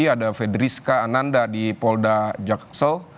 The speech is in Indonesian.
ada fedriska ananda di polda jaksel